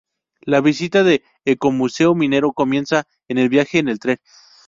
La visita al Ecomuseo Minero comienza con el viaje en tren.